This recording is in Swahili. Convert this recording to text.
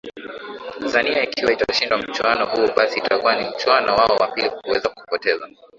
zania ikiwa itashindwa mchuano huu basi itakuwa ni mchuano wao wa pili kuweza kupoteza